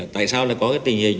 tại sao lại có cái tình hình